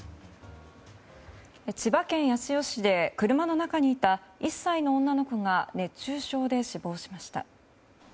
千葉県八千代市で車の中にいた１歳の女の子が熱中症で死亡しました。